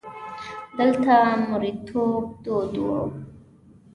دلته مریتوب دود وو.